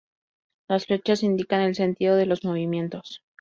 Las flechas indican el sentido de los movimientos.